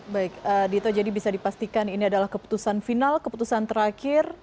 baik dito jadi bisa dipastikan ini adalah keputusan final keputusan terakhir